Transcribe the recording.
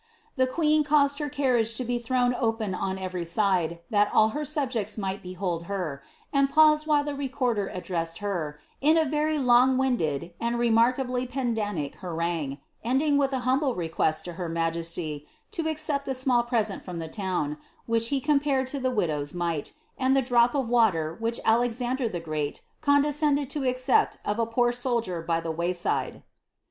The qii|| caused her carriage to be thrown open on every aide, thai all her 14 jecis might behold her, and paused while the recorder adJreased het^ a very long winded and remarkably pedantic harangue, ending wiib' humble request to her r""'""'" '" nf^o^t a small present from the toff which he compared to h , es, and the drop of water whft Alexander the Great coi 1 accept of a pc)or soldier bjr i wayside."